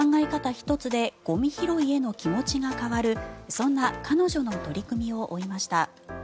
１つでゴミ拾いへの気持ちが変わるそんな彼女の取り組みを追いました。